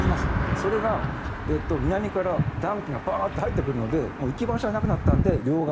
それが南から暖気がバーッと入ってくるので行き場所がなくなったので両側